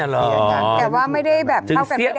แต่ว่าไม่ได้เท่ากันไม่ได้